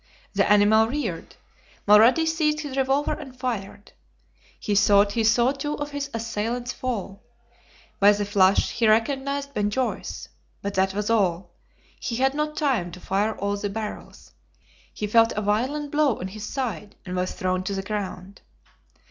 The animal reared; Mulrady seized his revolver and fired. He thought he saw two of his assailants fall. By the flash he recognized Ben Joyce. But that was all. He had not time to fire all the barrels. He felt a violent blow on his side and was thrown to the ground.